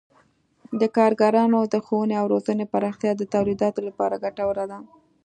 د کارګرانو د ښوونې او روزنې پراختیا د تولیداتو لپاره ګټوره ده.